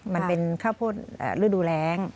มันเป็นข้าวโพดฤดูแรง